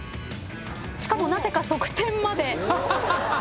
しかもなぜか側転まで。